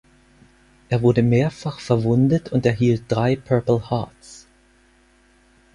Er wurde mehrfach verwundet und erhielt drei Purple Hearts.